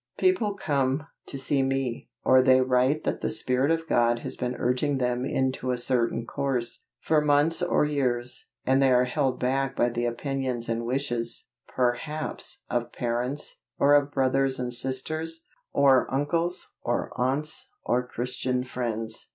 People come, to see me, or they write that the Spirit of God has been urging them into a certain course, for months or years, and they are held back by the opinions and wishes, perhaps, of parents, or of brothers and sisters, or uncles, or aunts, or Christian friends.